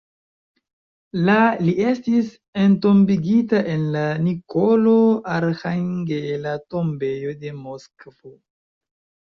La li estis entombigita en la Nikolo-Arĥangela tombejo de Moskvo.